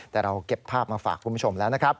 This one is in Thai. แต่เราเก็บภาพมาฝากคุณผู้ชมแล้วนะครับ